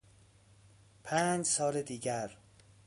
پنج سال دیگر